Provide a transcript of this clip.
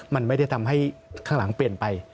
มันไม่ได้ทำให้ข้างหลังเปลี่ยนไป